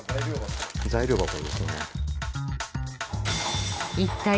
材料箱ですね。